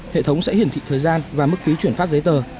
hệ thống sẽ hiển thị thời gian và mức phí chuyển phát giấy tờ